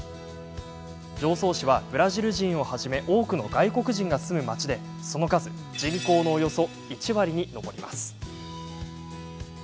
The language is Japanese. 常総市は、ブラジル人をはじめ多くの外国人が住む町でその数、人口のおよそ１割に上ります。